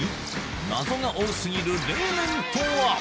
謎が多過ぎる冷麺とは？